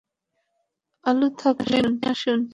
আলু থাকলে নিয়ে আসুন।